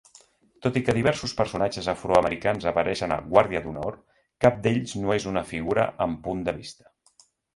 Tot i que diversos personatges afroamericans apareixen a "Guàrdia d'honor", cap d'ells no és una figura amb punt de vista.